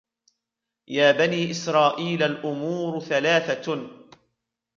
يَا بَنِي إسْرَائِيلَ الْأُمُورُ ثَلَاثَةٌ